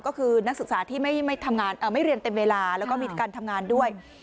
ก็คือนักศึกษาที่ไม่ทำงานไม่เรียนเต็มเวลาแล้วก็มีการทำงานด้วย